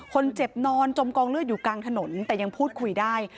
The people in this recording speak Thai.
คนเจ็บนอนจมกองเลือดอยู่กลางถนนแต่ยังพูดคุยได้